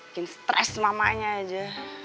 bikin stres mamanya aja